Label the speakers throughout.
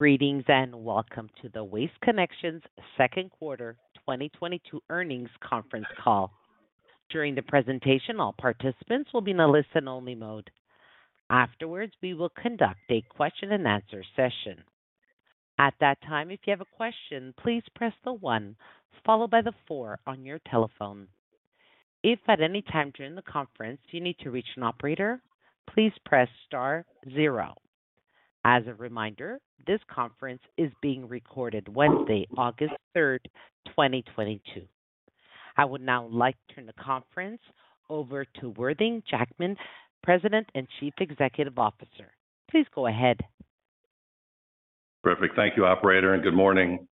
Speaker 1: Greetings and welcome to the Waste Connections Second Quarter 2022 Earnings Conference Call. During the presentation, all participants will be in a listen-only mode. Afterwards, we will conduct a question-and-answer session. At that time, if you have a question, please press the one followed by the four on your telephone. If at any time during the conference you need to reach an operator, please press star zero. As a reminder, this conference is being recorded Wednesday, August 3, 2022. I would now like to turn the conference over to Worthing Jackman, President and Chief Executive Officer. Please go ahead.
Speaker 2: Perfect. Thank you, operator, and good morning.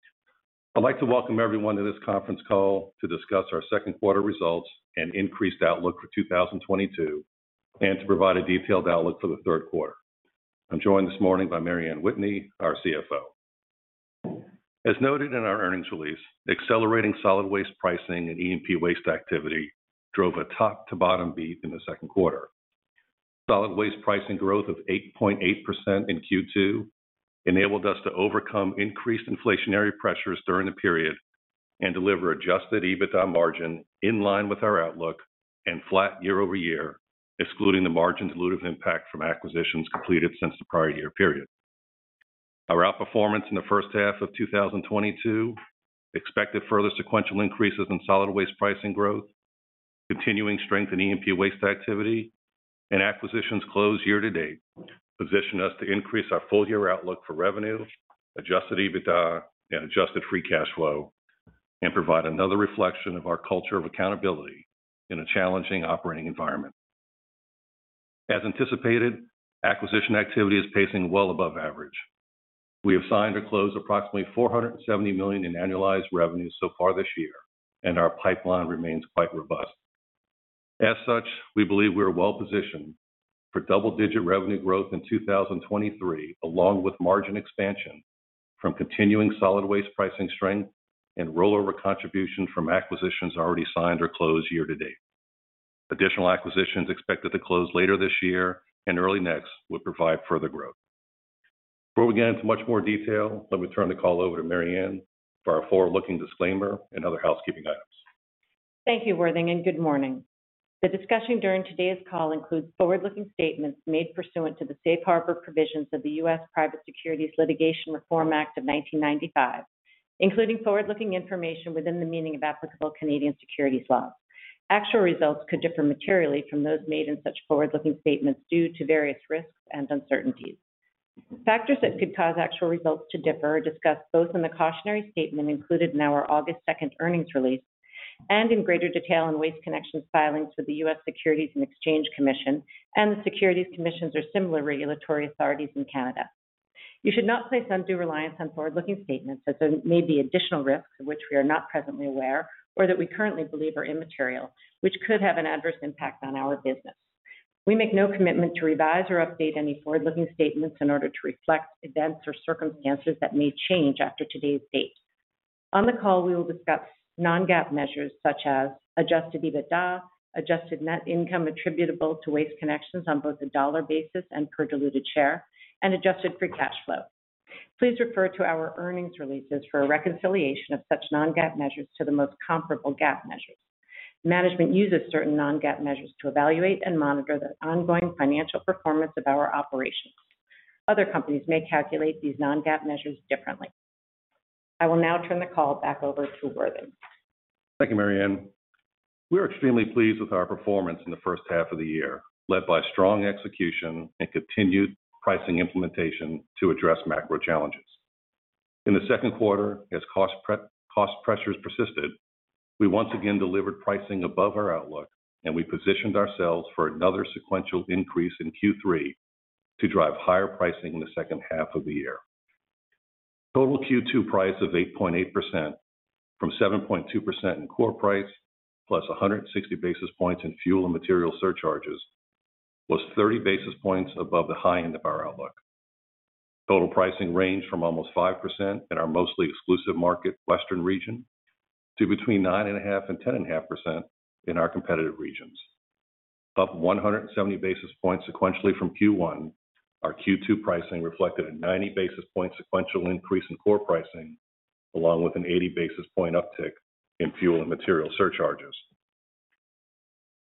Speaker 2: I'd like to welcome everyone to this conference call to discuss our second quarter results and increased outlook for 2022 and to provide a detailed outlook for the third quarter. I'm joined this morning by Mary Anne Whitney, our CFO. As noted in our earnings release, accelerating solid waste pricing and E&P waste activity drove a top-to-bottom beat in the second quarter. Solid waste pricing growth of 8.8% in Q2 enabled us to overcome increased inflationary pressures during the period and deliver adjusted EBITDA margin in line with our outlook and flat year-over-year, excluding the margin dilutive impact from acquisitions completed since the prior year period. Our outperformance in the first half of 2022 expected further sequential increases in solid waste pricing growth, continuing strength in E&P waste activity, and acquisitions closed year-to-date position us to increase our full year outlook for revenue, Adjusted EBITDA, and adjusted free cash flow, and provide another reflection of our culture of accountability in a challenging operating environment. As anticipated, acquisition activity is pacing well above average. We have signed or closed approximately $470 million in annualized revenues so far this year, and our pipeline remains quite robust. As such, we believe we are well-positioned for double-digit revenue growth in 2023, along with margin expansion from continuing solid waste pricing strength and rollover contributions from acquisitions already signed or closed year-to-date. Additional acquisitions expected to close later this year and early next will provide further growth. Before we get into much more detail, let me turn the call over to Mary Anne for our forward-looking disclaimer and other housekeeping items.
Speaker 3: Thank you, Worthing, and good morning. The discussion during today's call includes forward-looking statements made pursuant to the Safe Harbor Provisions of the U.S. Private Securities Litigation Reform Act of 1995, including forward-looking information within the meaning of applicable Canadian securities laws. Actual results could differ materially from those made in such forward-looking statements due to various risks and uncertainties. Factors that could cause actual results to differ are discussed both in the cautionary statement included in our August 2 earnings release and in greater detail in Waste Connections' filings with the U.S. Securities and Exchange Commission and the securities commissions or similar regulatory authorities in Canada. You should not place undue reliance on forward-looking statements as there may be additional risks of which we are not presently aware or that we currently believe are immaterial, which could have an adverse impact on our business. We make no commitment to revise or update any forward-looking statements in order to reflect events or circumstances that may change after today's date. On the call, we will discuss non-GAAP measures such as Adjusted EBITDA, adjusted net income attributable to Waste Connections on both a dollar basis and per diluted share, and adjusted free cash flow. Please refer to our earnings releases for a reconciliation of such non-GAAP measures to the most comparable GAAP measures. Management uses certain non-GAAP measures to evaluate and monitor the ongoing financial performance of our operations. Other companies may calculate these non-GAAP measures differently. I will now turn the call back over to Worthing.
Speaker 2: Thank you, Mary Anne. We are extremely pleased with our performance in the first half of the year, led by strong execution and continued pricing implementation to address macro challenges. In the second quarter, as cost pressures persisted, we once again delivered pricing above our outlook, and we positioned ourselves for another sequential increase in Q3 to drive higher pricing in the second half of the year. Total Q2 price of 8.8% from 7.2% in core price plus 160 basis points in fuel and material surcharges was 30 basis points above the high end of our outlook. Total pricing ranged from almost 5% in our mostly exclusive market Western region to between 9.5% and 10.5% in our competitive regions. Up 170 basis points sequentially from Q1, our Q2 pricing reflected a 90 basis point sequential increase in core pricing along with an 80 basis point uptick in fuel and material surcharges.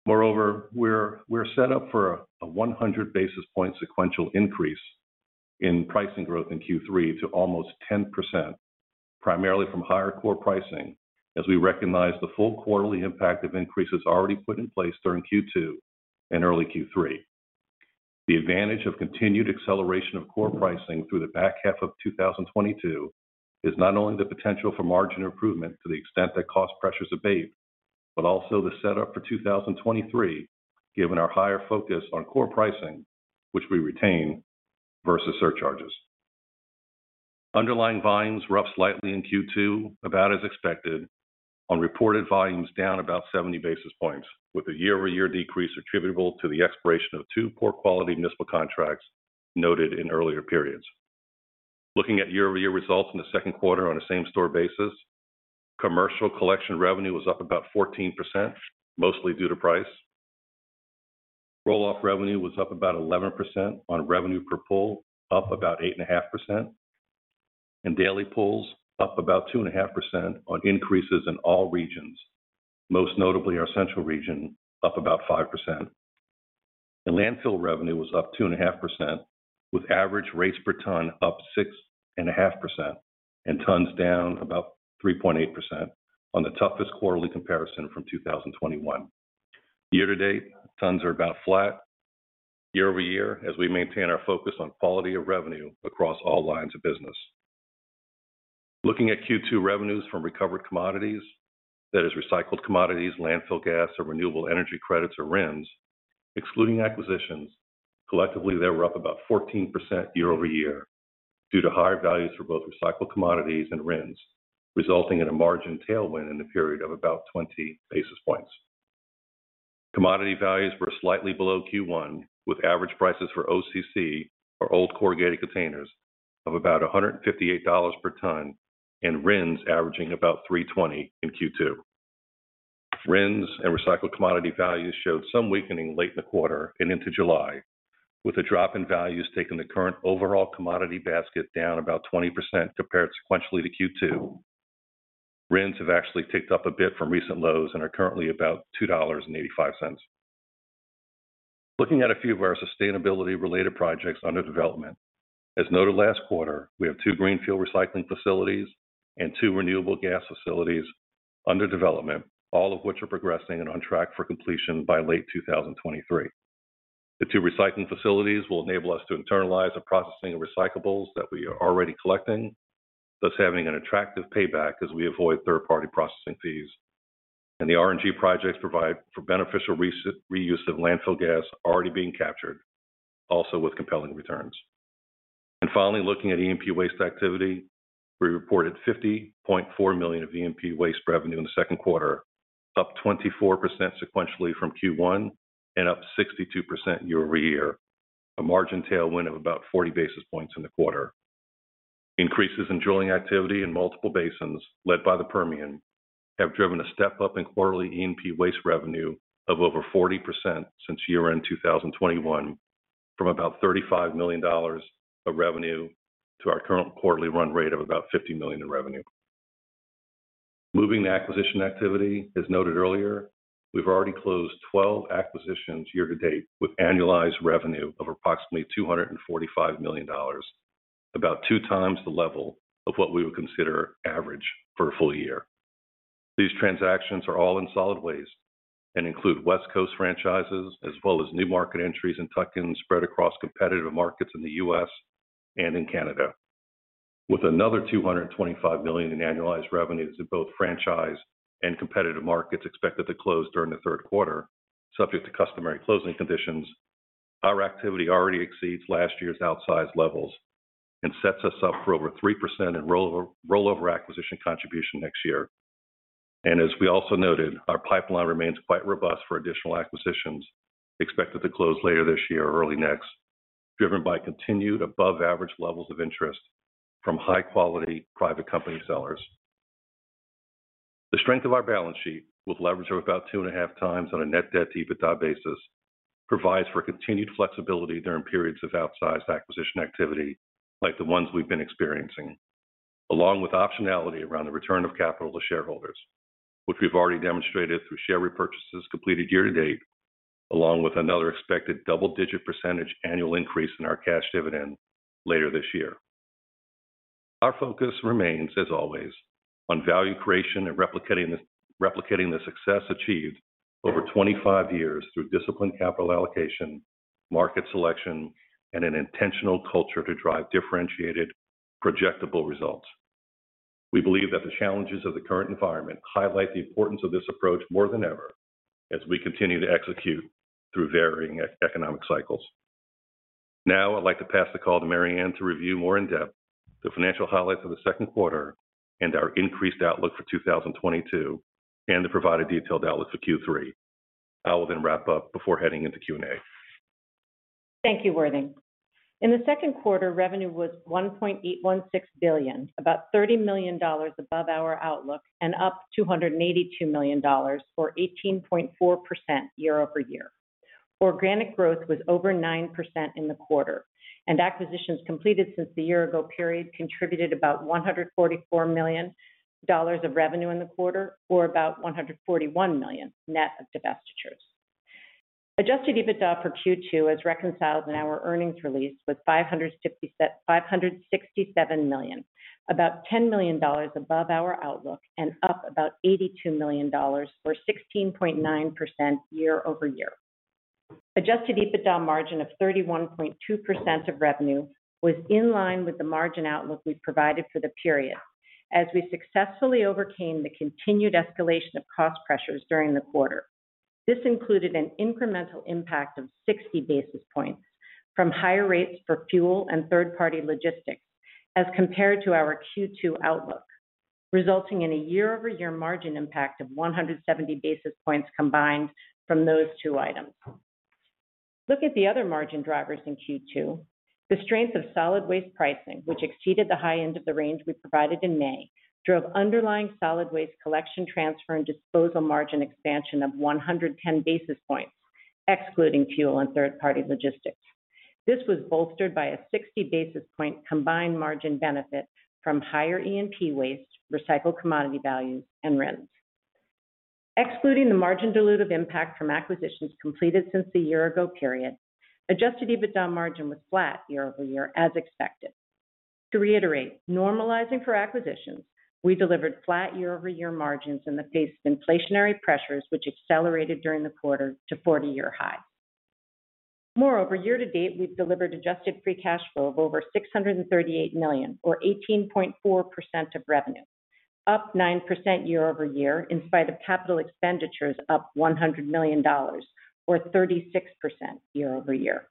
Speaker 2: Moreover, we're set up for a 100 basis point sequential increase in pricing growth in Q3 to almost 10%, primarily from higher core pricing, as we recognize the full quarterly impact of increases already put in place during Q2 and early Q3. The advantage of continued acceleration of core pricing through the back half of 2022 is not only the potential for margin improvement to the extent that cost pressures abate but also the setup for 2023, given our higher focus on core pricing, which we retain versus surcharges. Underlying volumes were up slightly in Q2, about as expected, on reported volumes down about 70 basis points, with a year-over-year decrease attributable to the expiration of two poor-quality municipal contracts noted in earlier periods. Looking at year-over-year results in the second quarter on a same-store basis, commercial collection revenue was up about 14%, mostly due to price. Roll-off revenue was up about 11% on revenue per pull, up about 8.5%. Daily pulls up about 2.5% on increases in all regions, most notably our central region, up about 5%. The landfill revenue was up 2.5%, with average rates per ton up 6.5% and tons down about 3.8% on the toughest quarterly comparison from 2021. Year-to-date, tons are about flat year-over-year as we maintain our focus on quality of revenue across all lines of business. Looking at Q2 revenues from recovered commodities, that is recycled commodities, landfill gas, or renewable energy credits or RINs, excluding acquisitions, collectively they were up about 14% year-over-year due to higher values for both recycled commodities and RINs, resulting in a margin tailwind in the period of about 20 basis points. Commodity values were slightly below Q1, with average prices for OCC or old corrugated containers of about $158 per ton and RINs averaging about $3.20 in Q2. RINs and recycled commodity values showed some weakening late in the quarter and into July, with a drop in values taking the current overall commodity basket down about 20% compared sequentially to Q2. RINs have actually ticked up a bit from recent lows and are currently about $2.85. Looking at a few of our sustainability-related projects under development. As noted last quarter, we have 2 greenfield recycling facilities and 2 renewable gas facilities under development, all of which are progressing and on track for completion by late 2023. The two recycling facilities will enable us to internalize the processing of recyclables that we are already collecting, thus having an attractive payback as we avoid third-party processing fees. The RNG projects provide for beneficial reuse of landfill gas already being captured, also with compelling returns. Finally, looking at E&P waste activity, we reported $50.4 million of E&P waste revenue in the second quarter, up 24% sequentially from Q1 and up 62% year-over-year, a margin tailwind of about 40 basis points in the quarter. Increases in drilling activity in multiple basins led by the Permian have driven a step up in quarterly E&P waste revenue of over 40% since year-end 2021 from about $35 million of revenue to our current quarterly run rate of about $50 million in revenue. Moving to acquisition activity, as noted earlier, we've already closed 12 acquisitions year-to-date with annualized revenue of approximately $245 million, about 2 times the level of what we would consider average for a full year. These transactions are all in solid waste and include West Coast franchises, as well as new market entries and tuck-ins spread across competitive markets in the U.S. and in Canada. With another $225 million in annualized revenues in both franchise and competitive markets expected to close during the third quarter, subject to customary closing conditions, our activity already exceeds last year's outsized levels and sets us up for over 3% in rollover acquisition contribution next year. as we also noted, our pipeline remains quite robust for additional acquisitions expected to close later this year or early next, driven by continued above-average levels of interest from high-quality private company sellers. The strength of our balance sheet with leverage of about 2.5x on a net debt to EBITDA basis provides for continued flexibility during periods of outsized acquisition activity like the ones we've been experiencing, along with optionality around the return of capital to shareholders. Which we've already demonstrated through share repurchases completed year-to-date, along with another expected double-digit percentage annual increase in our cash dividend later this year. Our focus remains, as always, on value creation and replicating the success achieved over 25 years through disciplined capital allocation, market selection, and an intentional culture to drive differentiated, projectable results. We believe that the challenges of the current environment highlight the importance of this approach more than ever as we continue to execute through varying economic cycles. Now, I'd like to pass the call to Mary Anne to review more in depth the financial highlights of the second quarter and our increased outlook for 2022 and to provide a detailed outlook for Q3. I will then wrap up before heading into Q&A.
Speaker 3: Thank you, Worthing. In the second quarter, revenue was $1.816 billion, about $30 million above our outlook and up $282 million, or 18.4% year-over-year. Organic growth was over 9% in the quarter, and acquisitions completed since the year-ago period contributed about $144 million of revenue in the quarter or about $141 million net of divestitures. Adjusted EBITDA for Q2 as reconciled in our earnings release was $567 million, about $10 million above our outlook and up about $82 million or 16.9% year-over-year. Adjusted EBITDA margin of 31.2% of revenue was in line with the margin outlook we provided for the period as we successfully overcame the continued escalation of cost pressures during the quarter. This included an incremental impact of 60 basis points from higher rates for fuel and third-party logistics as compared to our Q2 outlook, resulting in a year-over-year margin impact of 170 basis points combined from those two items. Look at the other margin drivers in Q2. The strength of solid waste pricing, which exceeded the high end of the range we provided in May, drove underlying solid waste collection transfer and disposal margin expansion of 110 basis points excluding fuel and third-party logistics. This was bolstered by a 60 basis point combined margin benefit from higher E&P waste, recycled commodity values, and rents. Excluding the margin dilutive impact from acquisitions completed since the year ago period, adjusted EBITDA margin was flat year-over-year as expected. To reiterate, normalizing for acquisitions, we delivered flat year-over-year margins in the face of inflationary pressures, which accelerated during the quarter to 40-year high. Moreover, year-to-date, we've delivered adjusted free cash flow of over $638 million or 18.4% of revenue, up 9% year-over-year in spite of capital expenditures up $100 million or 36% year-over-year.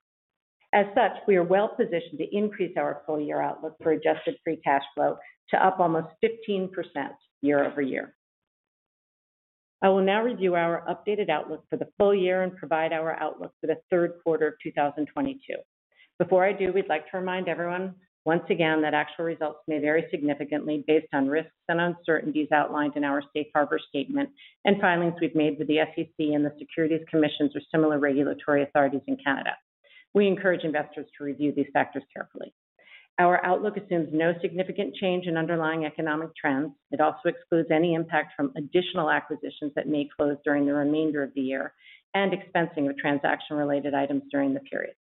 Speaker 3: As such, we are well-positioned to increase our full year outlook for adjusted free cash flow to up almost 15% year-over-year. I will now review our updated outlook for the full year and provide our outlook for the third quarter of 2022. Before I do, we'd like to remind everyone once again that actual results may vary significantly based on risks and uncertainties outlined in our safe harbor statement and filings we've made with the SEC and the securities commissions or similar regulatory authorities in Canada. We encourage investors to review these factors carefully. Our outlook assumes no significant change in underlying economic trends. It also excludes any impact from additional acquisitions that may close during the remainder of the year and expensing of transaction-related items during the period.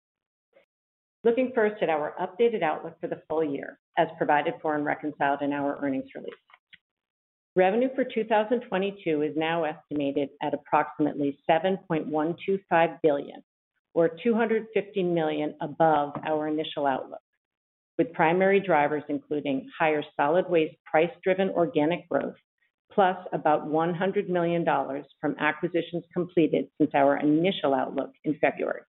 Speaker 3: Looking first at our updated outlook for the full year as provided for and reconciled in our earnings release. Revenue for 2022 is now estimated at approximately $7.125 billion or $250 million above our initial outlook, with primary drivers including higher solid waste price-driven organic growth, plus about $100 million from acquisitions completed since our initial outlook in February.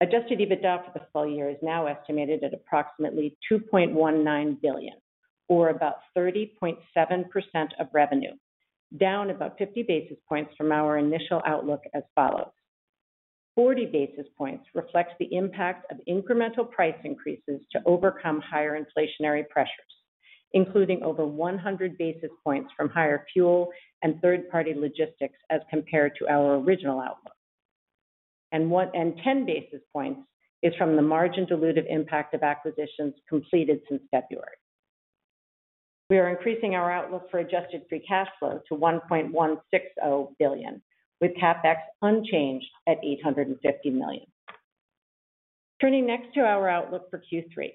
Speaker 3: Adjusted EBITDA for the full year is now estimated at approximately $2.19 billion or about 30.7% of revenue, down about 50 basis points from our initial outlook as follows. 40 basis points reflects the impact of incremental price increases to overcome higher inflationary pressures, including over 100 basis points from higher fuel and third-party logistics as compared to our original outlook. 10 basis points is from the margin dilutive impact of acquisitions completed since February. We are increasing our outlook for adjusted free cash flow to $1.160 billion, with CapEx unchanged at $850 million. Turning next to our outlook for Q3.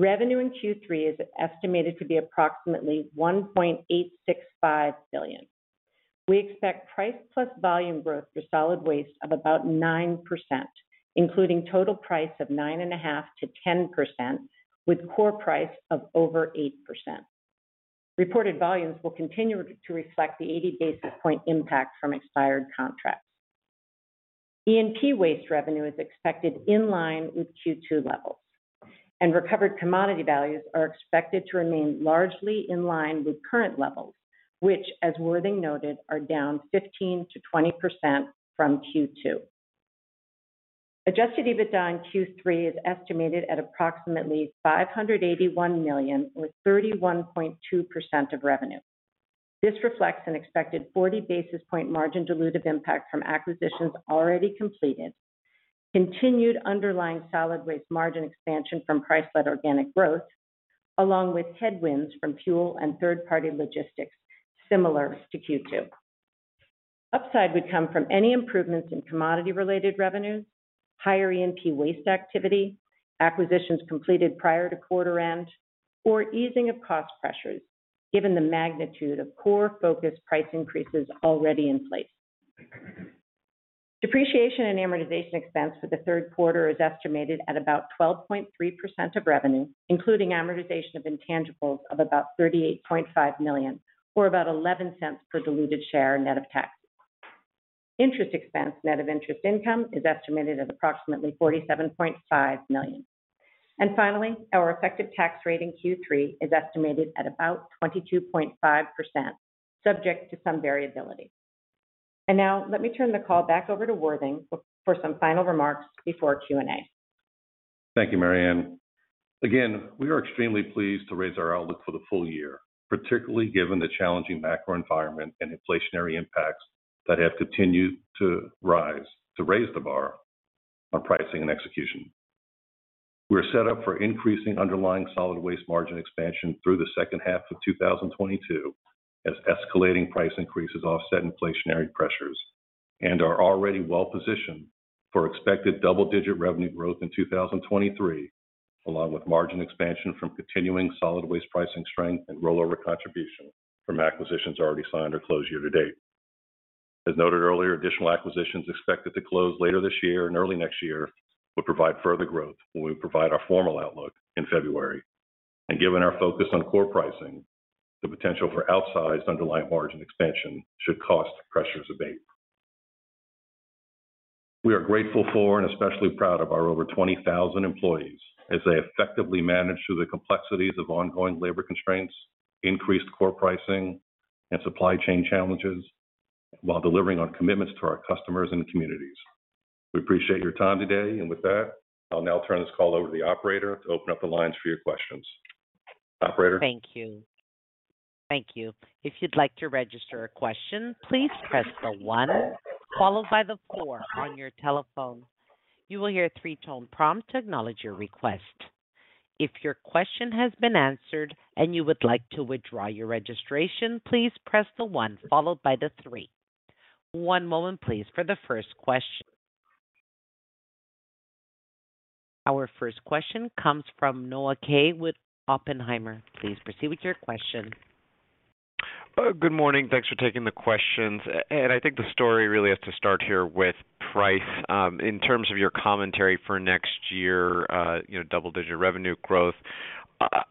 Speaker 3: Revenue in Q3 is estimated to be approximately $1.865 billion. We expect price plus volume growth for solid waste of about 9%, including total price of 9.5%-10% with core price of over 8%. Reported volumes will continue to reflect the 80 basis point impact from expired contracts. E&P waste revenue is expected in line with Q2 levels, and recovered commodity values are expected to remain largely in line with current levels, which, as Worthing noted, are down 15%-20% from Q2. Adjusted EBITDA in Q3 is estimated at approximately $581 million or 31.2% of revenue. This reflects an expected 40 basis point margin dilutive impact from acquisitions already completed, continued underlying solid waste margin expansion from price-led organic growth, along with headwinds from fuel and third-party logistics similar to Q2. Upside would come from any improvements in commodity-related revenues, higher E&P waste activity, acquisitions completed prior to quarter end, or easing of cost pressures given the magnitude of core-focused price increases already in place. Depreciation and amortization expense for the third quarter is estimated at about 12.3% of revenue, including amortization of intangibles of about $38.5 million, or about $0.11 per diluted share net of tax. Interest expense net of interest income is estimated at approximately $47.5 million. Finally, our effective tax rate in Q3 is estimated at about 22.5%, subject to some variability. Now let me turn the call back over to Worthing for some final remarks before Q&A.
Speaker 2: Thank you, Mary Anne. Again, we are extremely pleased to raise our outlook for the full year, particularly given the challenging macro environment and inflationary impacts that have continued to raise the bar on pricing and execution. We are set up for increasing underlying solid waste margin expansion through the second half of 2022 as escalating price increases offset inflationary pressures and are already well-positioned for expected double-digit revenue growth in 2023, along with margin expansion from continuing solid waste pricing strength and rollover contribution from acquisitions already signed or closed year-to-date. As noted earlier, additional acquisitions expected to close later this year and early next year will provide further growth when we provide our formal outlook in February. Given our focus on core pricing, the potential for outsized underlying margin expansion should cost pressures abate. We are grateful for and especially proud of our over 20,000 employees as they effectively manage through the complexities of ongoing labor constraints, increased core pricing, and supply chain challenges. While delivering on commitments to our customers and the communities. We appreciate your time today. With that, I'll now turn this call over to the operator to open up the lines for your questions. Operator?
Speaker 1: Thank you. Thank you. If you'd like to register a question, please press the one followed by the four on your telephone. You will hear a three-tone prompt to acknowledge your request. If your question has been answered and you would like to withdraw your registration, please press the one followed by the three. One moment please for the first question. Our first question comes from Noah Kaye with Oppenheimer. Please proceed with your question.
Speaker 4: Good morning. Thanks for taking the questions. I think the story really has to start here with price. In terms of your commentary for next year, you know, double-digit revenue growth,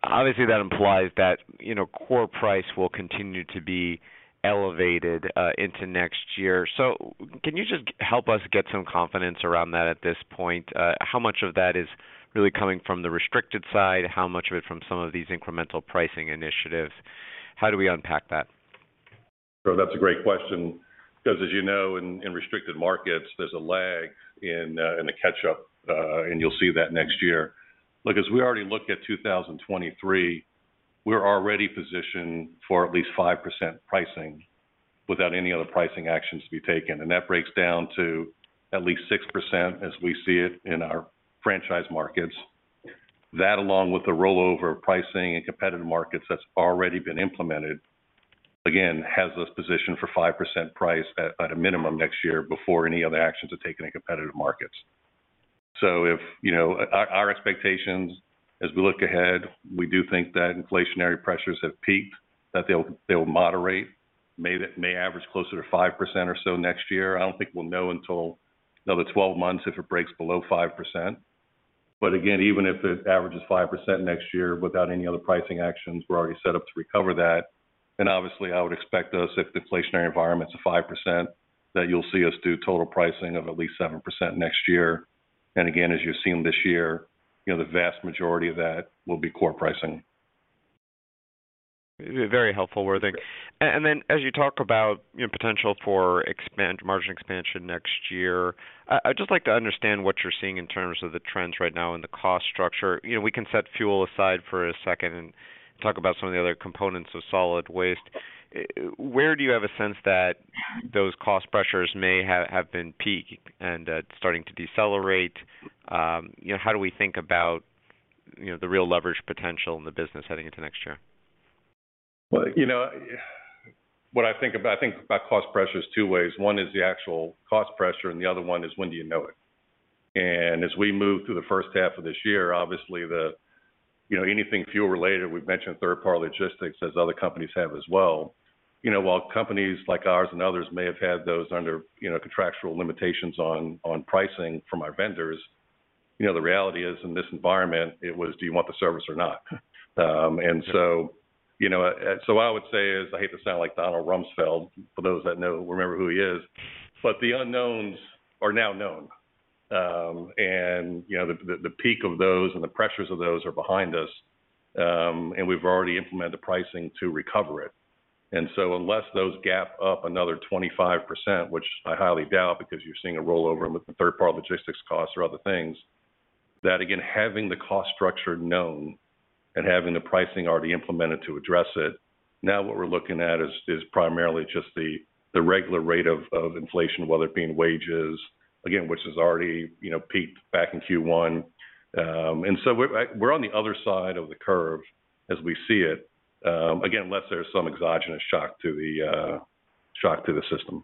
Speaker 4: obviously, that implies that, you know, core price will continue to be elevated into next year. Can you just help us get some confidence around that at this point? How much of that is really coming from the restricted side? How much of it from some of these incremental pricing initiatives? How do we unpack that?
Speaker 2: That's a great question, because as you know, in restricted markets, there's a lag and a catch-up, and you'll see that next year. Look, as we already looked at 2023, we're already positioned for at least 5% pricing without any other pricing actions to be taken. That breaks down to at least 6% as we see it in our franchise markets. That, along with the rollover pricing in competitive markets that's already been implemented, again, has us positioned for 5% price at a minimum next year before any other actions are taken in competitive markets. You know, our expectations as we look ahead, we do think that inflationary pressures have peaked, that they'll moderate, may average closer to 5% or so next year. I don't think we'll know until another 12 months if it breaks below 5%. Again, even if it averages 5% next year without any other pricing actions, we're already set up to recover that. Obviously, I would expect us, if the inflationary environment is a 5%, that you'll see us do total pricing of at least 7% next year. Again, as you've seen this year, you know, the vast majority of that will be core pricing.
Speaker 4: Very helpful, Worthing. As you talk about your potential for margin expansion next year, I'd just like to understand what you're seeing in terms of the trends right now in the cost structure. You know, we can set fuel aside for a second and talk about some of the other components of solid waste. Where do you have a sense that those cost pressures may have been peaked and starting to decelerate? You know, how do we think about the real leverage potential in the business heading into next year?
Speaker 2: Well, you know, what I think about cost pressures two ways. One is the actual cost pressure, and the other one is when do you know it? As we move through the first half of this year, obviously, you know, anything fuel-related, we've mentioned third-party logistics, as other companies have as well. You know, while companies like ours and others may have had those under, you know, contractual limitations on pricing from our vendors, you know, the reality is, in this environment, it was, do you want the service or not? You know, what I would say is, I hate to sound like Donald Rumsfeld, for those that know, remember who he is, but the unknowns are now known. You know, the peak of those and the pressures of those are behind us, and we've already implemented pricing to recover it. Unless those gap up another 25%, which I highly doubt because you're seeing a rollover with the third-party logistics costs or other things, that again, having the cost structure known and having the pricing already implemented to address it, now what we're looking at is primarily just the regular rate of inflation, whether it being wages, again, which has already, you know, peaked back in Q1. We're on the other side of the curve as we see it. Again, unless there's some exogenous shock to the system.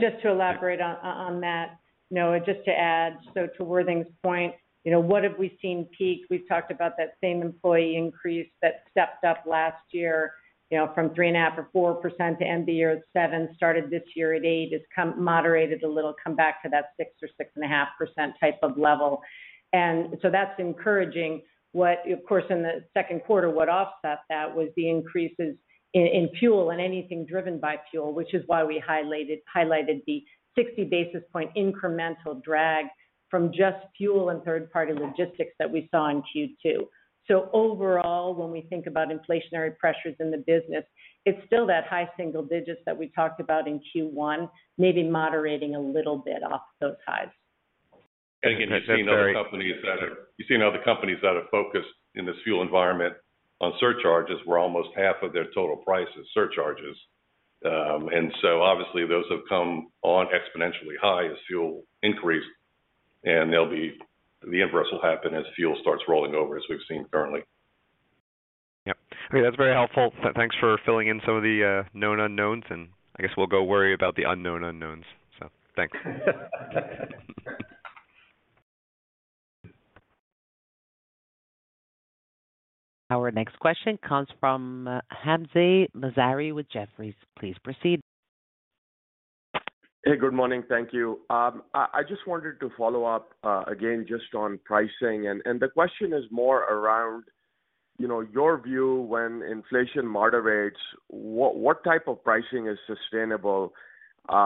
Speaker 3: Just to elaborate on that, Noah, just to add, so to Worthington's point, you know, what have we seen peak? We've talked about that same employee increase that stepped up last year, you know, from 3.5% or 4% to end the year at 7%, started this year at 8%. It's come moderated a little, come back to that 6% or 6.5% type of level. That's encouraging. Of course, in the second quarter, what offset that was the increases in fuel and anything driven by fuel, which is why we highlighted the 60 basis point incremental drag from just fuel and third-party logistics that we saw in Q2. Overall, when we think about inflationary pressures in the business, it's still that high single digits that we talked about in Q1, maybe moderating a little bit off those highs.
Speaker 2: Again, you've seen other companies that are focused in this fuel environment on surcharges, where almost half of their total price is surcharges. Obviously, those have come on exponentially high as fuel increased, and the inverse will happen as fuel starts rolling over as we've seen currently.
Speaker 4: Yeah. That's very helpful. Thanks for filling in some of the known unknowns, and I guess we'll go worry about the unknown unknowns. Thanks.
Speaker 1: Our next question comes from Hamzah Mazari with Jefferies. Please proceed.
Speaker 5: Hey, good morning. Thank you. I just wanted to follow up again, just on pricing. The question is more around, you know, your view when inflation moderates, what type of pricing is sustainable? As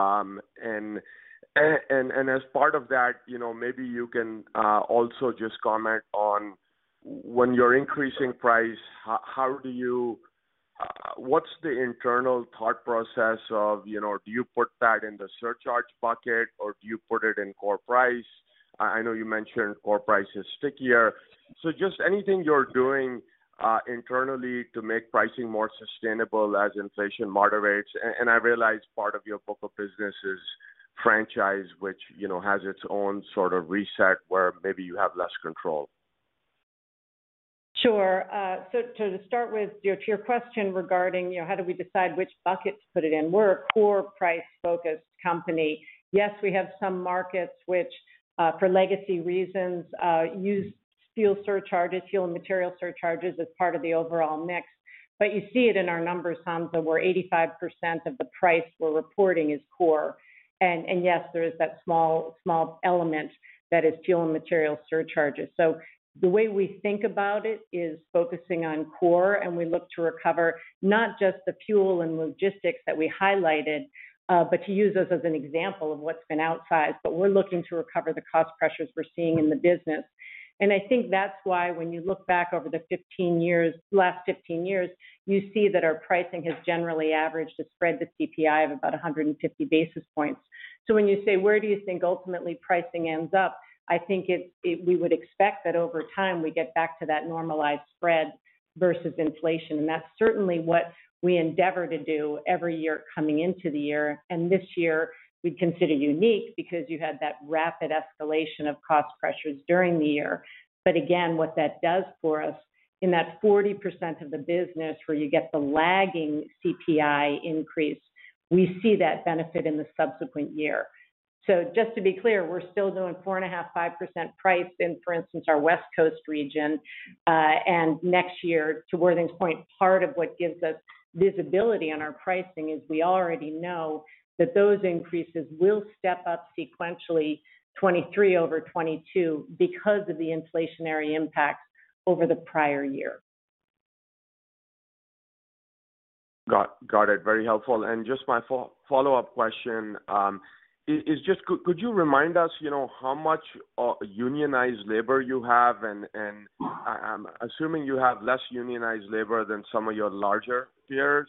Speaker 5: part of that, you know, maybe you can also just comment on when you're increasing price, how do you, what's the internal thought process of, you know, do you put that in the surcharge bucket or do you put it in core price? I know you mentioned core price is stickier. Just anything you're doing internally to make pricing more sustainable as inflation moderates. I realize part of your book of business is franchise, which, you know, has its own sort of reset where maybe you have less control.
Speaker 3: Sure. To start with, to your question regarding, you know, how do we decide which bucket to put it in? We're a core price-focused company. Yes, we have some markets which, for legacy reasons, use steel surcharges, fuel and material surcharges as part of the overall mix. You see it in our numbers, Sam, that we're 85% of the price we're reporting is core. Yes, there is that small element that is fuel and material surcharges. The way we think about it is focusing on core, and we look to recover not just the fuel and logistics that we highlighted, but to use those as an example of what's been outside. We're looking to recover the cost pressures we're seeing in the business. I think that's why when you look back over the 15 years, last 15 years, you see that our pricing has generally averaged a spread to CPI of about 150 basis points. When you say, where do you think ultimately pricing ends up, I think we would expect that over time, we get back to that normalized spread versus inflation. That's certainly what we endeavor to do every year coming into the year. This year we consider unique because you had that rapid escalation of cost pressures during the year. Again, what that does for us in that 40% of the business where you get the lagging CPI increase, we see that benefit in the subsequent year. Just to be clear, we're still doing 4.5%-5% pricing in, for instance, our West Coast region. next year, to Worthington's point, part of what gives us visibility on our pricing is we already know that those increases will step up sequentially 2023 over 2022 because of the inflationary impact over the prior year.
Speaker 5: Got it. Very helpful. Just my follow-up question is could you remind us, you know, how much unionized labor you have? I'm assuming you have less unionized labor than some of your larger peers.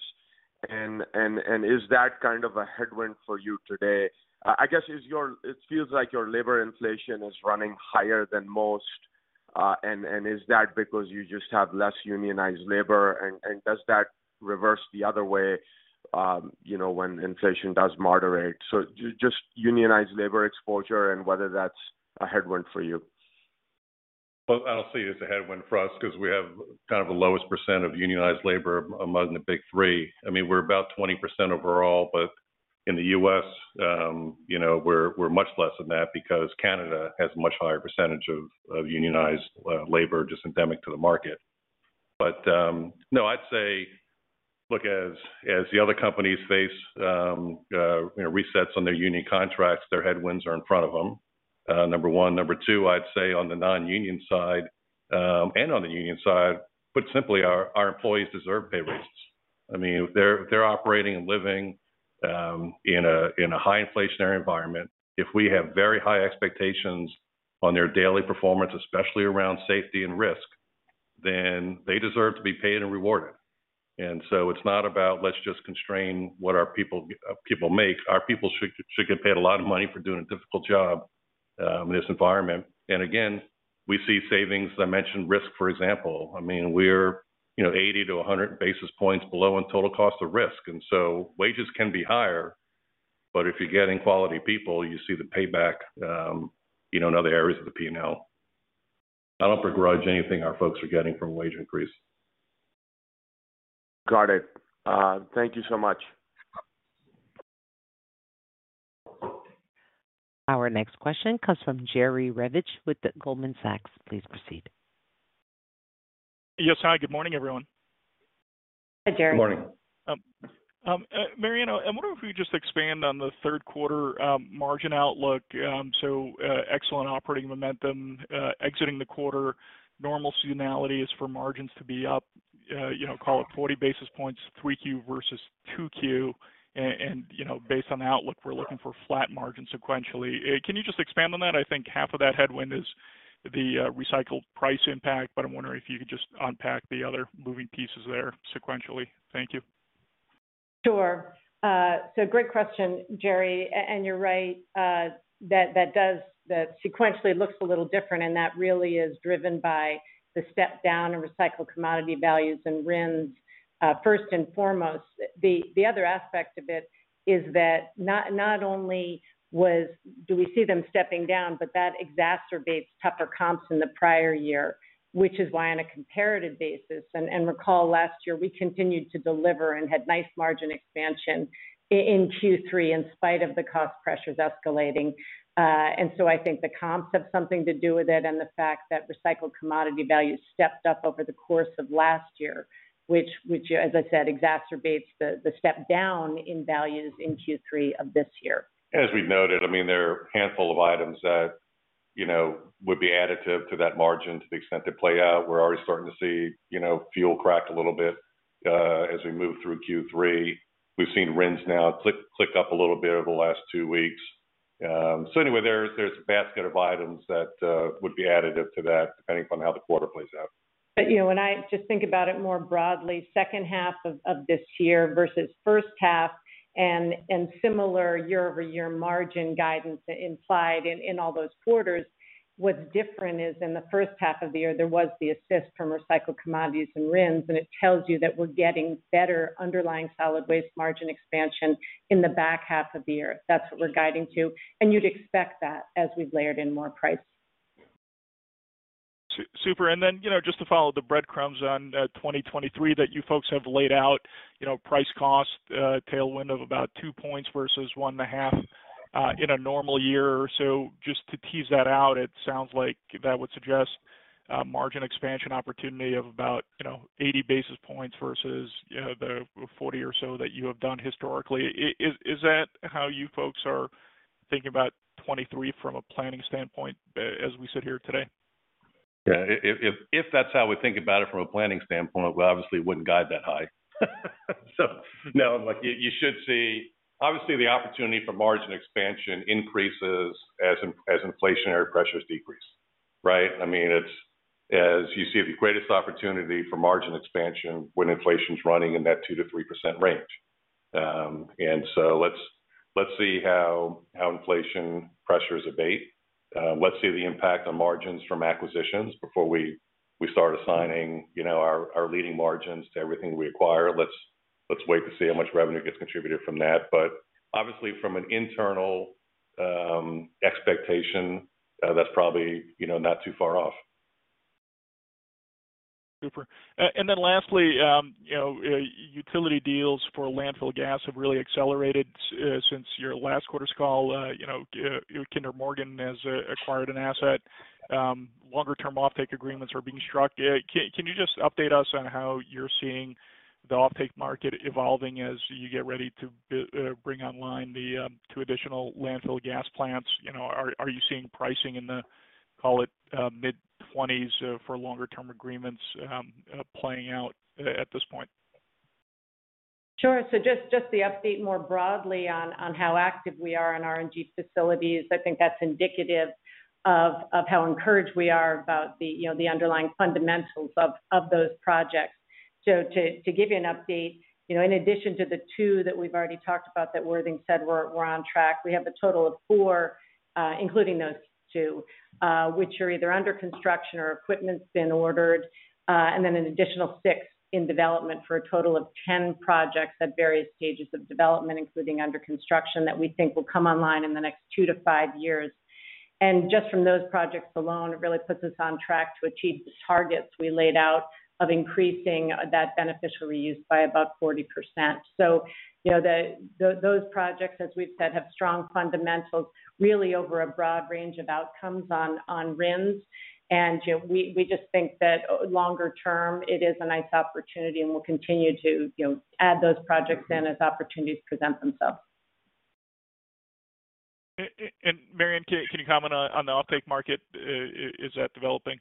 Speaker 5: Is that kind of a headwind for you today? I guess it feels like your labor inflation is running higher than most. Is that because you just have less unionized labor? Does that reverse the other way, you know, when inflation does moderate? Just unionized labor exposure and whether that's a headwind for you.
Speaker 2: Well, I'll say it's a headwind for us 'cause we have kind of the lowest percent of unionized labor among the Big Three. I mean, we're about 20% overall, but in the U.S., you know, we're much less than that because Canada has a much higher percentage of unionized labor, just endemic to the market. No, I'd say, look, as the other companies face, you know, resets on their union contracts, their headwinds are in front of them, number one. Number two, I'd say on the non-union side, and on the union side, put simply, our employees deserve pay raises. I mean, if they're operating and living in a high inflationary environment, if we have very high expectations on their daily performance, especially around safety and risk, then they deserve to be paid and rewarded. It's not about let's just constrain what our people make. Our people should get paid a lot of money for doing a difficult job in this environment. Again, we see savings. I mentioned risk, for example. I mean, we're you know, 80-100 basis points below on total cost of risk. Wages can be higher, but if you're getting quality people, you see the payback you know, in other areas of the P&L. I don't begrudge anything our folks are getting from a wage increase.
Speaker 5: Got it. Thank you so much.
Speaker 1: Our next question comes from Jerry Revich with Goldman Sachs. Please proceed.
Speaker 6: Yes. Hi, good morning, everyone.
Speaker 3: Hi, Jerry.
Speaker 2: Good morning.
Speaker 6: Mary Anne, I wonder if you just expand on the third quarter margin outlook. Excellent operating momentum exiting the quarter. Normal seasonality is for margins to be up, you know, call it 40 basis points, 3Q versus 2Q. You know, based on the outlook, we're looking for flat margins sequentially. Can you just expand on that? I think half of that headwind is the recycled price impact, but I'm wondering if you could just unpack the other moving pieces there sequentially. Thank you.
Speaker 3: Sure. Great question, Jerry. You're right, that sequentially looks a little different, and that really is driven by the step down in recycled commodity values and RINs, first and foremost. The other aspect of it is that not only do we see them stepping down, but that exacerbates tougher comps in the prior year, which is why on a comparative basis, recall last year, we continued to deliver and had nice margin expansion in Q3 in spite of the cost pressures escalating. I think the comps have something to do with it and the fact that recycled commodity values stepped up over the course of last year, which, as I said, exacerbates the step down in values in Q3 of this year.
Speaker 2: As we've noted, I mean, there are a handful of items that, you know, would be additive to that margin to the extent they play out. We're already starting to see, you know, fuel crack a little bit, as we move through Q3. We've seen RINs now click up a little bit over the last two weeks. Anyway, there's a basket of items that would be additive to that depending upon how the quarter plays out.
Speaker 3: You know, when I just think about it more broadly, second half of this year versus first half and similar year-over-year margin guidance implied in all those quarters, what's different is in the first half of the year, there was the assist from recycled commodities and RINs, and it tells you that we're getting better underlying solid waste margin expansion in the back half of the year. That's what we're guiding to. You'd expect that as we've layered in more price.
Speaker 6: Super. Then, you know, just to follow the breadcrumbs on 2023 that you folks have laid out, you know, price-cost tailwind of about two points versus 1.5 in a normal year or so. Just to tease that out, it sounds like that would suggest a margin expansion opportunity of about, you know, 80 basis points versus, you know, the 40 or so that you have done historically. Is that how you folks are thinking about 2023 from a planning standpoint as we sit here today?
Speaker 2: Yeah. If that's how we think about it from a planning standpoint, we obviously wouldn't guide that high. No, like, you should see. Obviously, the opportunity for margin expansion increases as inflationary pressures decrease, right? I mean, it's. As you see the greatest opportunity for margin expansion when inflation's running in that 2%-3% range. Let's see how inflation pressures abate. Let's see the impact on margins from acquisitions before we start assigning, you know, our leading margins to everything we acquire. Let's wait to see how much revenue gets contributed from that. Obviously, from an internal expectation, that's probably, you know, not too far off.
Speaker 6: Super. Then lastly, you know, utility deals for landfill gas have really accelerated since your last quarter's call. You know, Kinder Morgan has acquired an asset. Longer-term offtake agreements are being struck. Can you just update us on how you're seeing the offtake market evolving as you get ready to bring online the two additional landfill gas plants? You know, are you seeing pricing in the, call it, mid-20s, for longer-term agreements, playing out at this point?
Speaker 3: Sure. Just the update more broadly on how active we are in RNG facilities, I think that's indicative of how encouraged we are about the, you know, the underlying fundamentals of those projects. To give you an update, you know, in addition to the two that we've already talked about that Worthing said we're on track, we have a total of four, including those two, which are either under construction or equipment's been ordered, and then an additional 6 in development for a total of 10 projects at various stages of development, including under construction, that we think will come online in the next two-five years. Just from those projects alone, it really puts us on track to achieve the targets we laid out of increasing that beneficial reuse by about 40%. You know, those projects, as we've said, have strong fundamentals, really over a broad range of outcomes on RINs. You know, we just think that longer term, it is a nice opportunity, and we'll continue to, you know, add those projects in as opportunities present themselves.
Speaker 6: Marianne, can you comment on the offtake market? Is that developing?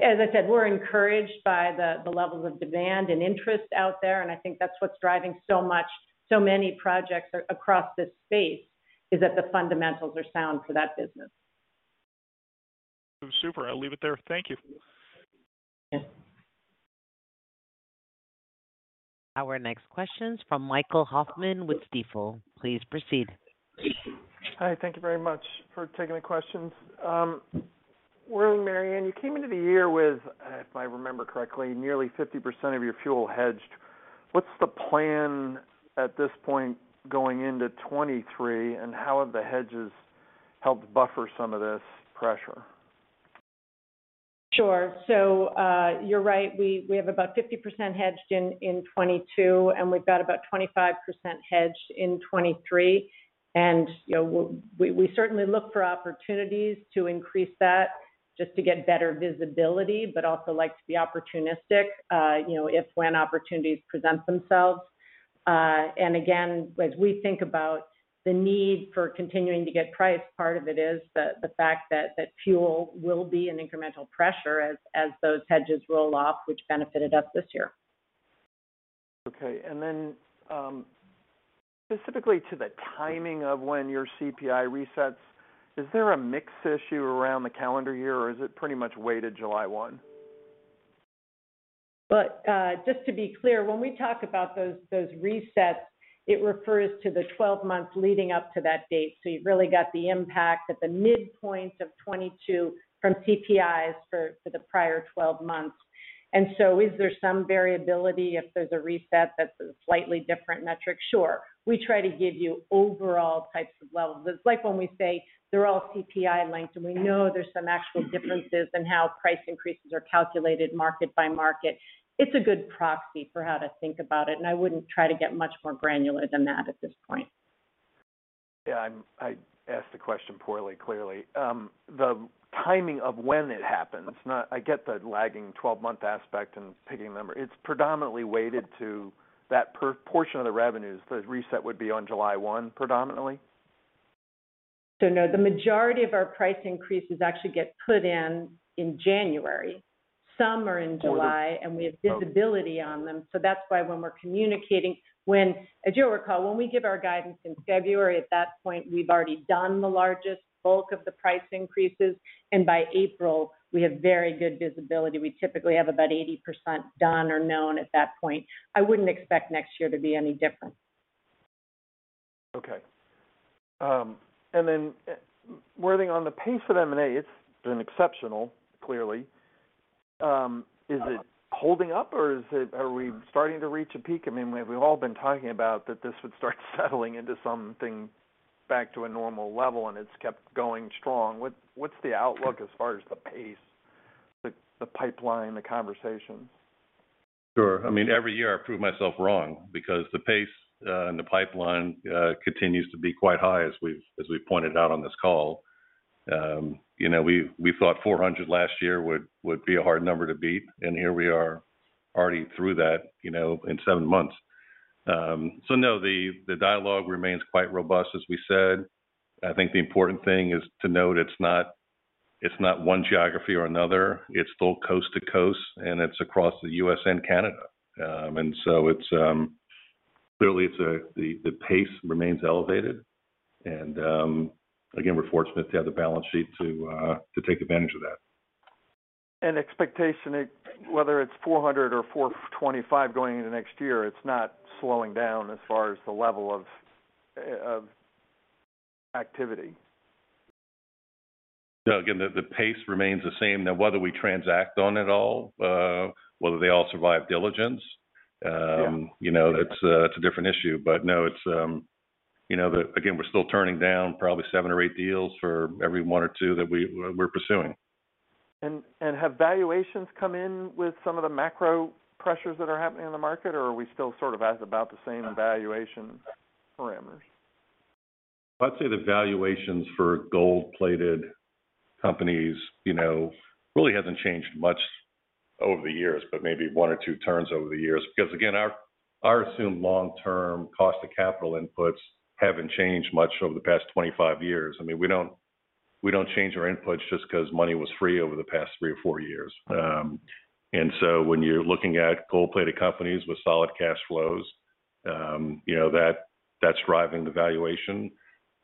Speaker 3: As I said, we're encouraged by the levels of demand and interest out there, and I think that's what's driving so much, so many projects across this space, is that the fundamentals are sound for that business.
Speaker 6: Super. I'll leave it there. Thank you.
Speaker 3: Yeah.
Speaker 1: Our next question's from Michael Hoffman with Stifel. Please proceed.
Speaker 7: Hi, thank you very much for taking the questions. Worthing, Marianne, you came into the year with, if I remember correctly, nearly 50% of your fuel hedged. What's the plan at this point going into 2023, and how have the hedges helped buffer some of this pressure?
Speaker 3: Sure. You're right. We have about 50% hedged in 2022, and we've got about 25% hedged in 2023. You know, we certainly look for opportunities to increase that just to get better visibility, but also like to be opportunistic, you know, if/when opportunities present themselves. Again, as we think about the need for continuing to get price, part of it is the fact that fuel will be an incremental pressure as those hedges roll off, which benefited us this year.
Speaker 7: Okay. Specifically to the timing of when your CPI resets, is there a mix issue around the calendar year, or is it pretty much weighted July 1?
Speaker 3: Just to be clear, when we talk about those resets, it refers to the 12 months leading up to that date. You've really got the impact at the midpoint of 2022 from CPIs for the prior 12 months. Is there some variability if there's a reset that's a slightly different metric? Sure. We try to give you overall types of levels. It's like when we say they're all CPI linked, and we know there's some actual differences in how price increases are calculated market by market. It's a good proxy for how to think about it, and I wouldn't try to get much more granular than that at this point.
Speaker 7: Yeah, I asked the question poorly, clearly. The timing of when it happens. I get the lagging twelve-month aspect and picking the number. It's predominantly weighted to that portion of the revenues, the reset would be on July one predominantly?
Speaker 3: No, the majority of our price increases actually get put in in January. Some are in July, and we have visibility on them. That's why when we're communicating, as you'll recall, when we give our guidance in February, at that point, we've already done the largest bulk of the price increases, and by April we have very good visibility. We typically have about 80% done or known at that point. I wouldn't expect next year to be any different.
Speaker 7: Okay. Worthington on the pace of M&A, it's been exceptional, clearly. Is it holding up or are we starting to reach a peak? I mean, we've all been talking about that this would start settling into something back to a normal level, and it's kept going strong. What's the outlook as far as the pace, the pipeline, the conversations?
Speaker 2: Sure. I mean, every year I prove myself wrong because the pace and the pipeline continues to be quite high as we've pointed out on this call. You know, we thought 400 last year would be a hard number to beat, and here we are already through that, you know, in seven months. No, the dialogue remains quite robust, as we said. I think the important thing is to note it's not one geography or another. It's still coast to coast, and it's across the U.S. and Canada. It's clearly the pace remains elevated. Again, we're fortunate to have the balance sheet to take advantage of that.
Speaker 7: Expectation, whether it's 400 or 425 going into next year, it's not slowing down as far as the level of activity.
Speaker 2: No, again, the pace remains the same. Now, whether we transact on it all, whether they all survive diligence.
Speaker 7: Yeah
Speaker 2: You know, that's a different issue. No, it's you know, again, we're still turning down probably seven or eight deals for every one or two that we're pursuing.
Speaker 7: Have valuations come in with some of the macro pressures that are happening in the market, or are we still sort of at about the same valuation parameters?
Speaker 2: I'd say the valuations for gold-plated companies, you know, really hasn't changed much over the years, but maybe one or two turns over the years. Because again, our assumed long-term cost of capital inputs haven't changed much over the past 25 years. I mean, we don't change our inputs just 'cause money was free over the past three or four years. When you're looking at gold-plated companies with solid cash flows, you know, that's driving the valuation.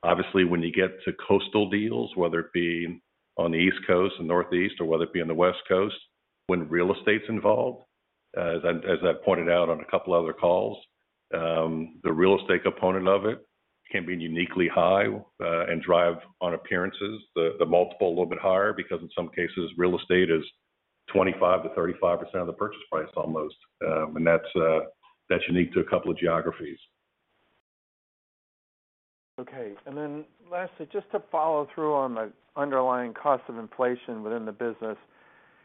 Speaker 2: Obviously, when you get to coastal deals, whether it be on the East Coast and Northeast or whether it be on the West Coast, when real estate's involved, as I pointed out on a couple other calls, the real estate component of it can be uniquely high, and drive on appearances. The multiple a little bit higher because in some cases, real estate is 25%-35% of the purchase price almost. That's unique to a couple of geographies.
Speaker 7: Okay. Lastly, just to follow through on the underlying cost of inflation within the business,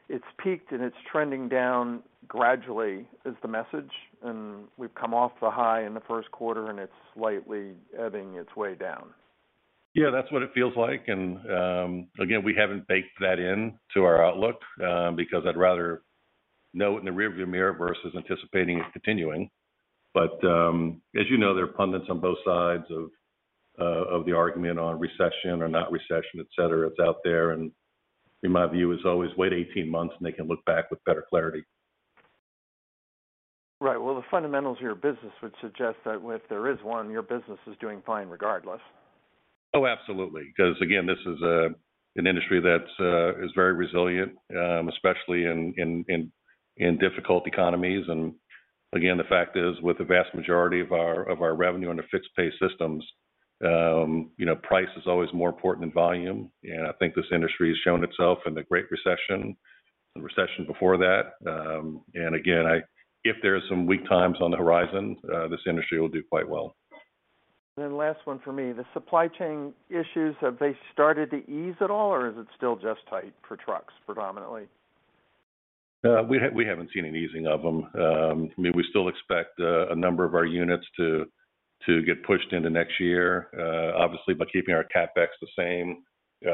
Speaker 7: it's peaked and it's trending down gradually is the message. We've come off the high in the first quarter, and it's slightly ebbing its way down.
Speaker 2: Yeah, that's what it feels like. Again, we haven't baked that into our outlook, because I'd rather know it in the rear view mirror versus anticipating it continuing. As you know, there are pundits on both sides of of the argument on recession or not recession, et cetera, it's out there. In my view is always wait 18 months, and they can look back with better clarity.
Speaker 7: Right. Well, the fundamentals of your business would suggest that if there is one, your business is doing fine regardless.
Speaker 2: Oh, absolutely. 'Cause again, this is an industry that's very resilient, especially in difficult economies. The fact is, with the vast majority of our revenue under fixed pay systems, you know, price is always more important than volume. I think this industry has shown itself in the Great Recession and recession before that. If there's some weak times on the horizon, this industry will do quite well.
Speaker 7: Last one for me. The supply chain issues, have they started to ease at all, or is it still just tight for trucks predominantly?
Speaker 2: We haven't seen an easing of them. I mean, we still expect a number of our units to get pushed into next year. Obviously, by keeping our CapEx the same,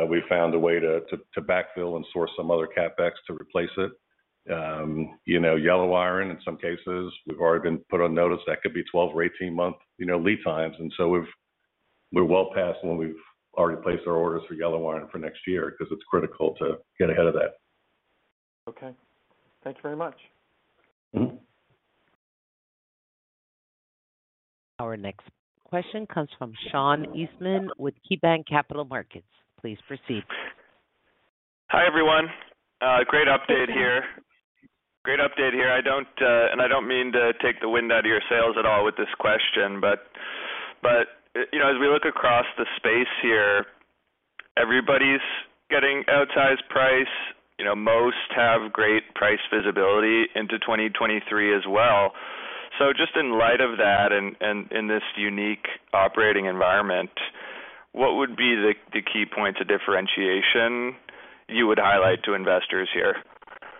Speaker 2: we found a way to backfill and source some other CapEx to replace it. You know, yellow iron, in some cases, we've already been put on notice that could be 12- or 18-month lead times. You know, we're well past when we've already placed our orders for yellow iron for next year 'cause it's critical to get ahead of that.
Speaker 7: Okay. Thanks very much.
Speaker 2: Mm-hmm.
Speaker 1: Our next question comes from Sean Eastman with KeyBanc Capital Markets. Please proceed.
Speaker 8: Hi, everyone. Great update here. I don't mean to take the wind out of your sails at all with this question, but you know, as we look across the space here, everybody's getting outsized pricing. You know, most have great pricing visibility into 2023 as well. Just in light of that and in this unique operating environment, what would be the key points of differentiation you would highlight to investors here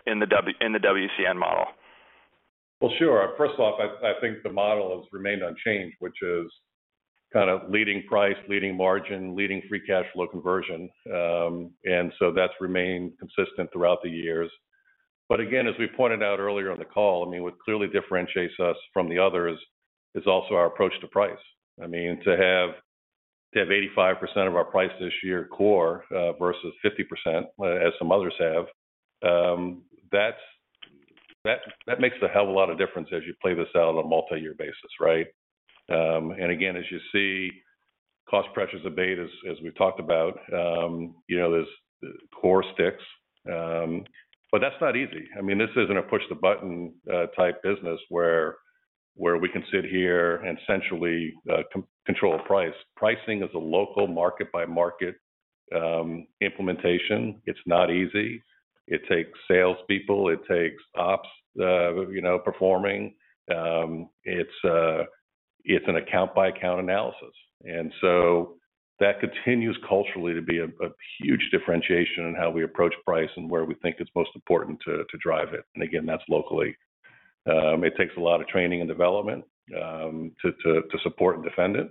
Speaker 8: in the WCN model?
Speaker 2: Well, sure. First off, I think the model has remained unchanged, which is kind of leading price, leading margin, leading free cash flow conversion. That's remained consistent throughout the years. Again, as we pointed out earlier on the call, I mean, what clearly differentiates us from the others is also our approach to price. I mean, to have 85% of our price this year core, versus 50% as some others have, that makes a hell of a lot of difference as you play this out on a multi-year basis, right? Again, as you see, cost pressures abate as we've talked about. You know, there's core sticks. That's not easy. I mean, this isn't a push-the-button type business where we can sit here and centrally control price. Pricing is a local market-by-market implementation. It's not easy. It takes salespeople, it takes ops, you know, performing. It's an account-by-account analysis. That continues culturally to be a huge differentiation in how we approach price and where we think it's most important to drive it. Again, that's locally. It takes a lot of training and development to support and defend it.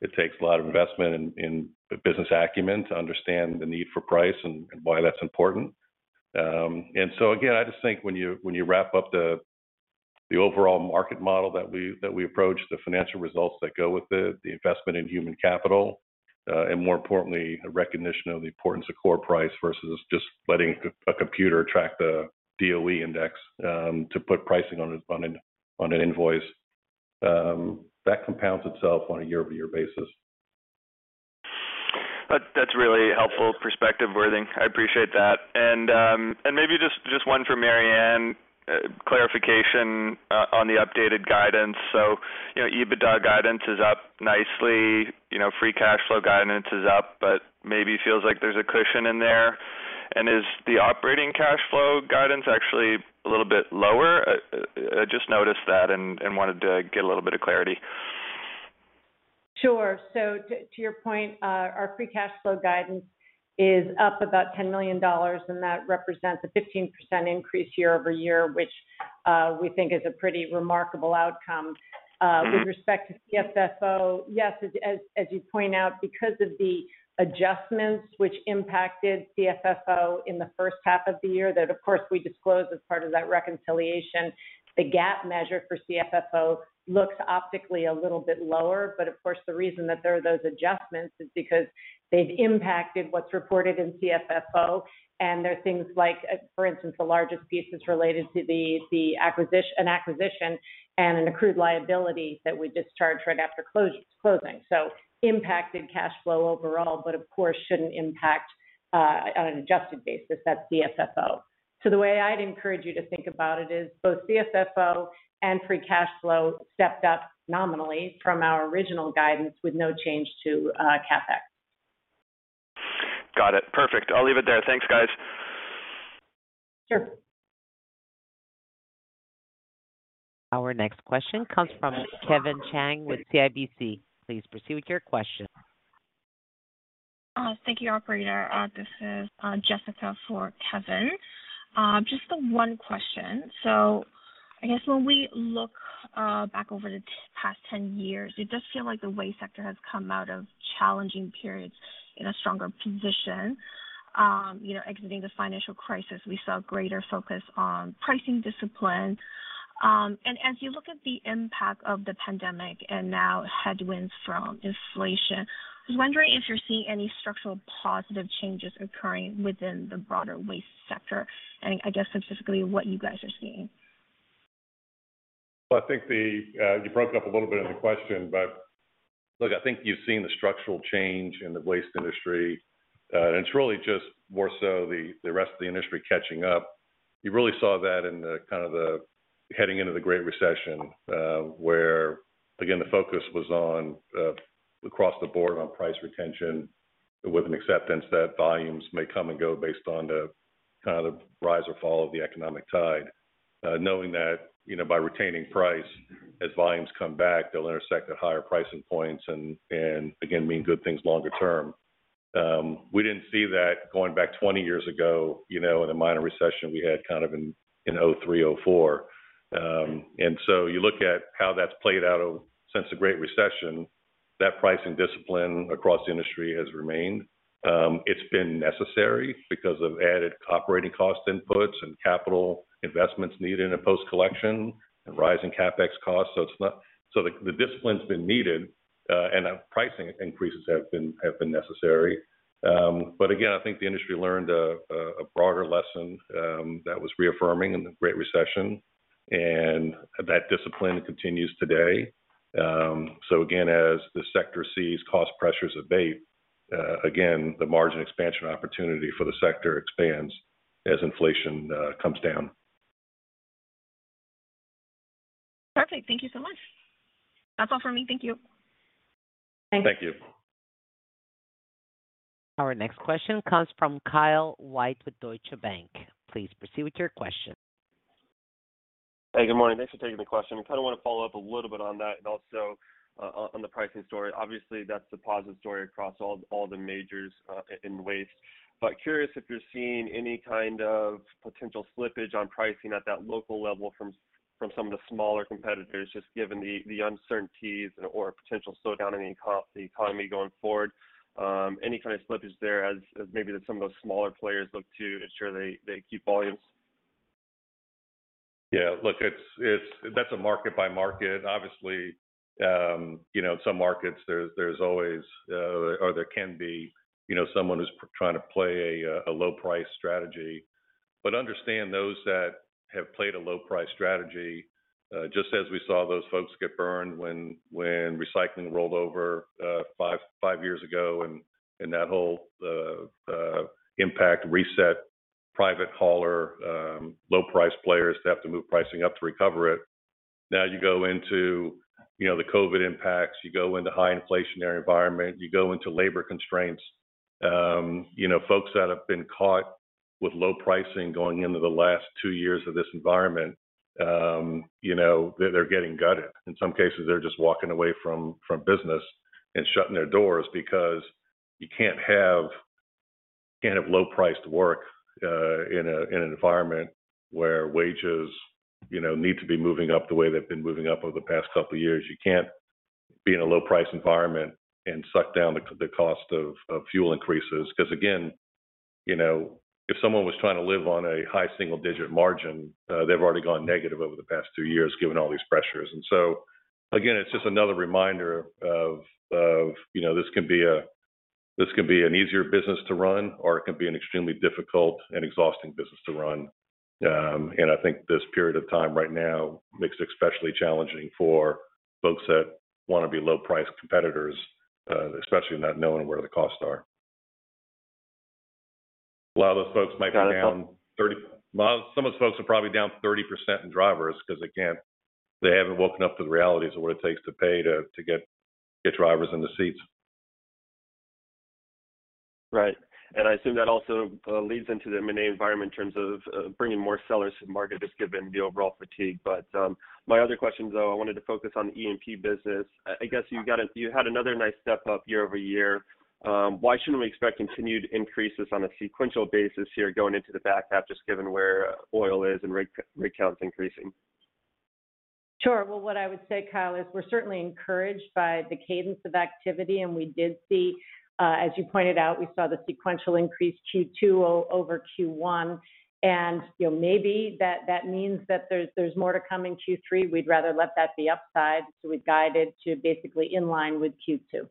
Speaker 2: It takes a lot of investment in business acumen to understand the need for price and why that's important. Again, I just think when you wrap up the overall market model that we approach, the financial results that go with it, the investment in human capital, and more importantly, a recognition of the importance of core price versus just letting a computer track the DOE index to put pricing on an invoice, that compounds itself on a year-over-year basis.
Speaker 8: That's really helpful perspective, Worthing. I appreciate that. Maybe just one for Mary Anne. Clarification on the updated guidance. You know, EBITDA guidance is up nicely, you know, free cash flow guidance is up, but maybe feels like there's a cushion in there. Is the operating cash flow guidance actually a little bit lower? I just noticed that and wanted to get a little bit of clarity.
Speaker 3: Sure. To your point, our free cash flow guidance is up about $10 million, and that represents a 15% increase year-over-year, which we think is a pretty remarkable outcome. With respect to CFFO, yes, as you point out, because of the adjustments which impacted CFFO in the first half of the year, that, of course, we disclose as part of that reconciliation, the GAAP measure for CFFO looks optically a little bit lower. But of course, the reason that there are those adjustments is because they've impacted what's reported in CFFO, and they're things like, for instance, the largest piece is related to an acquisition and an accrued liability that we discharge right after closing. Impacted cash flow overall, but of course, shouldn't impact that CFFO on an adjusted basis. The way I'd encourage you to think about it is both CFFO and free cash flow stepped up nominally from our original guidance with no change to CapEx.
Speaker 8: Got it. Perfect. I'll leave it there. Thanks, guys.
Speaker 3: Sure.
Speaker 1: Our next question comes from Kevin Chiang with CIBC. Please proceed with your question.
Speaker 9: Thank you, operator. This is Jessica for Kevin. Just the one question. I guess when we look back over the past 10 years, it does feel like the waste sector has come out of challenging periods in a stronger position. You know, exiting the financial crisis, we saw greater focus on pricing discipline. As you look at the impact of the pandemic and now headwinds from inflation, I was wondering if you're seeing any structural positive changes occurring within the broader waste sector, and I guess specifically what you guys are seeing.
Speaker 2: Well, I think you broke up a little bit in the question, but look, I think you've seen the structural change in the waste industry, and it's really just more so the rest of the industry catching up. You really saw that in the kind of heading into the Great Recession, where again, the focus was, across the board, on price retention with an acceptance that volumes may come and go based on the kind of rise or fall of the economic tide. Knowing that, you know, by retaining price as volumes come back, they'll intersect at higher pricing points and again, mean good things longer term. We didn't see that going back 20 years ago, you know, in the minor recession we had kind of in 2003, 2004. You look at how that's played out since the Great Recession, that pricing discipline across the industry has remained. It's been necessary because of added operating cost inputs and capital investments needed in post-collection and rising CapEx costs. The discipline's been needed, and pricing increases have been necessary. Again, I think the industry learned a broader lesson that was reaffirming in the Great Recession, and that discipline continues today. Again, as the sector sees cost pressures abate, again, the margin expansion opportunity for the sector expands as inflation comes down.
Speaker 9: Perfect. Thank you so much. That's all for me. Thank you.
Speaker 2: Thank you.
Speaker 1: Our next question comes from Kyle White with Deutsche Bank. Please proceed with your question.
Speaker 10: Hey, good morning. Thanks for taking the question. I kind of want to follow up a little bit on that and also on the pricing story. Obviously, that's the positive story across all the majors in waste. Curious if you're seeing any kind of potential slippage on pricing at that local level from some of the smaller competitors, just given the uncertainties or potential slowdown in the economy going forward. Any kind of slippage there as maybe some of those smaller players look to ensure they keep volumes?
Speaker 2: Yeah. Look, that's a market by market. Obviously, you know, some markets there's always, or there can be, you know, someone who's trying to play a low price strategy. Understand those that have played a low price strategy, just as we saw those folks get burned when recycling rolled over, five years ago, and that whole impact reset private hauler, low price players to have to move pricing up to recover it. Now you go into, you know, the COVID impacts, you go into high inflationary environment, you go into labor constraints. You know, folks that have been caught with low pricing going into the last two years of this environment, you know, they're getting gutted. In some cases, they're just walking away from business and shutting their doors because you can't have low-priced work in an environment where wages, you know, need to be moving up the way they've been moving up over the past couple of years. You can't be in a low-price environment and suck up the cost of fuel increases. 'Cause again, you know, if someone was trying to live on a high single-digit margin, they've already gone negative over the past two years given all these pressures. Again, it's just another reminder of, you know, this can be an easier business to run or it can be an extremely difficult and exhausting business to run. I think this period of time right now makes it especially challenging for folks that wanna be low price competitors, especially not knowing where the costs are. Some of those folks are probably down 30% in drivers 'cause they haven't woken up to the realities of what it takes to pay to get drivers in the seats.
Speaker 10: Right. I assume that also leads into the M&A environment in terms of bringing more sellers to market, just given the overall fatigue. My other question, though, I wanted to focus on the E&P business. I guess you had another nice step up year over year. Why shouldn't we expect continued increases on a sequential basis here going into the back half, just given where oil is and rig count is increasing?
Speaker 3: Sure. Well, what I would say, Kyle, is we're certainly encouraged by the cadence of activity, and we did see, as you pointed out, we saw the sequential increase Q2 over Q1. You know, maybe that means there's more to come in Q3. We'd rather let that be upside, so we've guided to basically in line with Q2.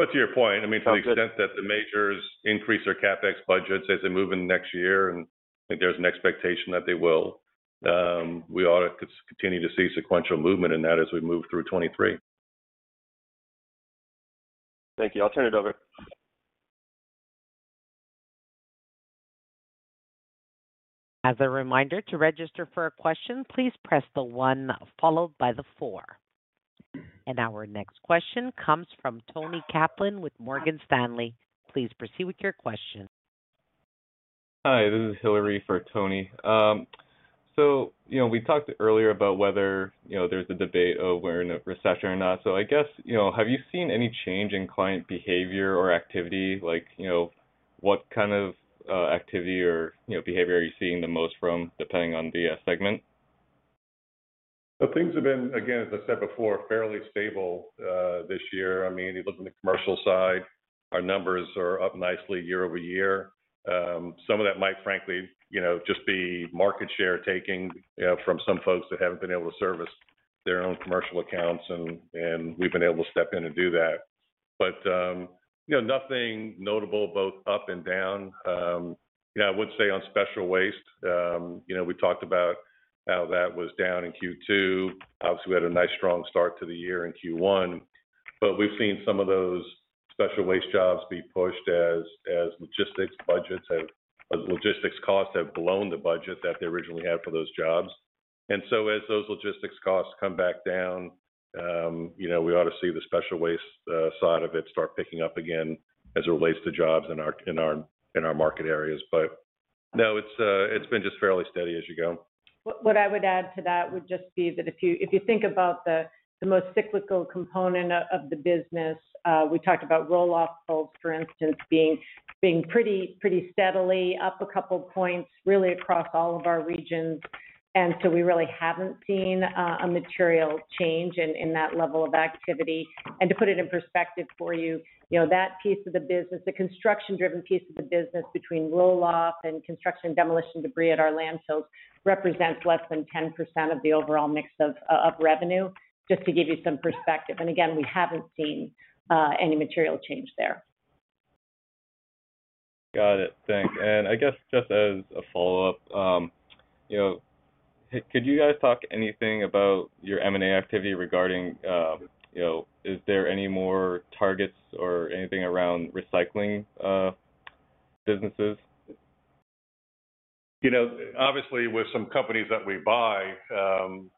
Speaker 2: To your point, I mean, to the extent that the majors increase their CapEx budgets as they move into next year, and I think there's an expectation that they will, we ought to continue to see sequential movement in that as we move through 2023.
Speaker 10: Thank you. I'll turn it over.
Speaker 1: As a reminder to register for a question, please press the one followed by the four. Our next question comes from Toni Kaplan with Morgan Stanley. Please proceed with your question.
Speaker 11: Hi, this is Hillary for Toni. You know, we talked earlier about whether, you know, there's a debate of we're in a recession or not. I guess, you know, have you seen any change in client behavior or activity? Like, you know, what kind of activity or, you know, behavior are you seeing the most from depending on the segment?
Speaker 2: The things have been, again, as I said before, fairly stable, this year. I mean, you look in the commercial side, our numbers are up nicely year-over-year. Some of that might frankly, you know, just be market share taking, you know, from some folks that haven't been able to service their own commercial accounts, and we've been able to step in and do that. You know, nothing notable both up and down. You know, I would say on special waste, you know, we talked about how that was down in Q2. Obviously, we had a nice, strong start to the year in Q1, but we've seen some of those special waste jobs be pushed as logistics costs have blown the budget that they originally had for those jobs. As those logistics costs come back down, you know, we ought to see the special waste side of it start picking up again as it relates to jobs in our market areas. No, it's been just fairly steady as you go.
Speaker 3: What I would add to that would just be that if you think about the most cyclical component of the business, we talked about roll-off loads, for instance, being pretty steadily up a couple points really across all of our regions. We really haven't seen a material change in that level of activity. To put it in perspective for you know, that piece of the business, the construction-driven piece of the business between roll-off and construction and demolition debris at our landfills, represents less than 10% of the overall mix of revenue, just to give you some perspective. Again, we haven't seen any material change there.
Speaker 11: Got it. Thanks. I guess just as a follow-up, you know, could you guys talk anything about your M&A activity regarding, you know, is there any more targets or anything around recycling, businesses?
Speaker 2: You know, obviously, with some companies that we buy,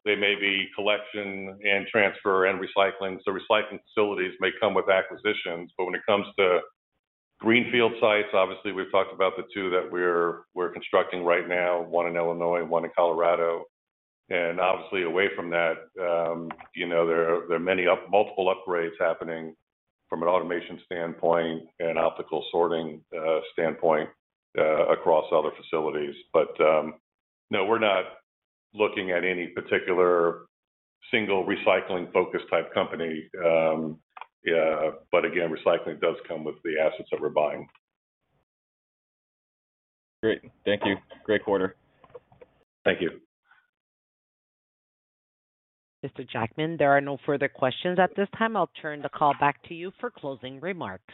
Speaker 2: they may be collection and transfer and recycling, so recycling facilities may come with acquisitions. When it comes to greenfield sites, obviously, we've talked about the two that we're constructing right now, one in Illinois, one in Colorado. Obviously away from that, you know, there are many multiple upgrades happening from an automation standpoint and optical sorting standpoint across other facilities. No, we're not looking at any particular single recycling focus type company. Again, recycling does come with the assets that we're buying.
Speaker 11: Great. Thank you. Great quarter.
Speaker 2: Thank you.
Speaker 1: Mr. Jackman, there are no further questions at this time. I'll turn the call back to you for closing remarks.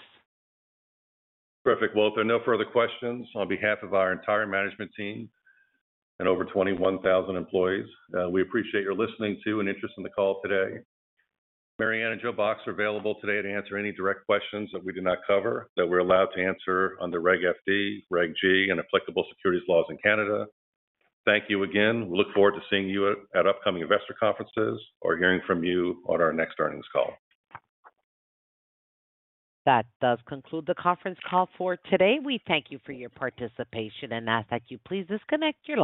Speaker 2: Perfect. Well, if there are no further questions, on behalf of our entire management team and over 21,000 employees, we appreciate your listening to and interest in the call today. Mary Ann and Joe Box are available today to answer any direct questions that we did not cover that we're allowed to answer under Reg FD, Reg G, and applicable securities laws in Canada. Thank you again. We look forward to seeing you at upcoming investor conferences or hearing from you on our next earnings call.
Speaker 1: That does conclude the conference call for today. We thank you for your participation and ask that you please disconnect your line.